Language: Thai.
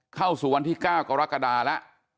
เข้าสู่วันที่๙กรกฎาแล้ว